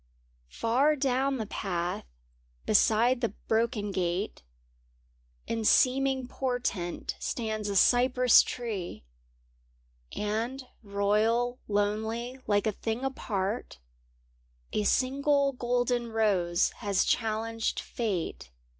Far down the path, beside the broken gate, In seeming portent stands a cypress tree; And royal, lonely, like a thing apart, A single golden rose has challenged Fate.